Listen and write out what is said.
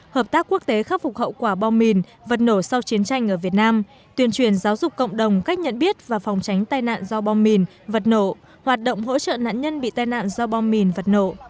hợp tác quốc tế khắc phục hậu quả bom mìn vật nổ sau chiến tranh ở việt nam tuyên truyền giáo dục cộng đồng cách nhận biết và phòng tránh tai nạn do bom mìn vật nổ hoạt động hỗ trợ nạn nhân bị tai nạn do bom mìn vật nổ